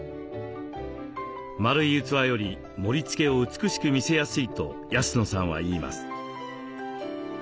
丸い器より盛りつけを美しく見せやすいと安野さんはいいます。